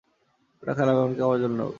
ওটা খারাপ, এমনকি আমার জন্যও।